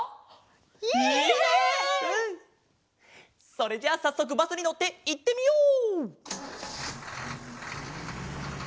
それじゃあさっそくバスにのっていってみよう！